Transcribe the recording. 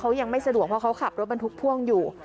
เขายังไม่สะดวกเพราะเขาขับรถบรรทุกพ่วงอยู่